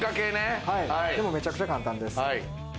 めちゃくちゃ簡単です。